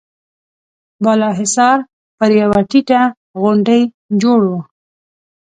بالا حصار پر يوه ټيټه غونډۍ جوړ و.